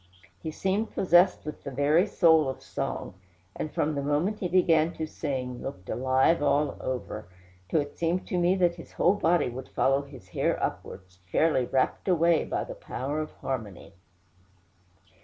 He seemed possessed with the very soul of song; and from the moment he began to sing, looked alive all over, till it seemed to me that his whole body would follow his hair upwards, fairly rapt away by the power of harmony.